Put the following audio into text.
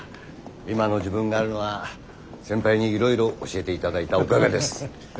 今の自分があるのは先輩にいろいろ教えていただいたおかげです。